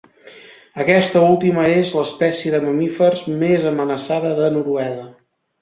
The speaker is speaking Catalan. Aquesta última és l'espècie de mamífers més amenaçada de Noruega.